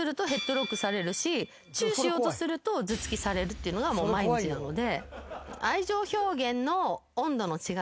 っていうのがもう毎日なので。